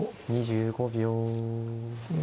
２５秒。